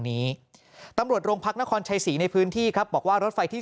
นี้ตำรวจโรงพักนครชัยศรีในพื้นที่ครับบอกว่ารถไฟที่